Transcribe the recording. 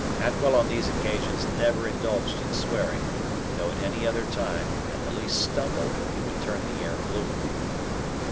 Atwell on these occasions never indulged in swearing, though at any other time, at the least stumble, he would turn the air blue.